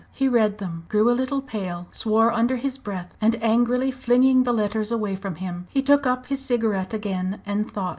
He read them, grew a little pale, swore under his breath, and, angrily flinging the letters away from him, he took up his cigarette again and thought.